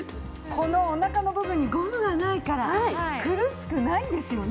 このおなかの部分にゴムがないから苦しくないんですよね。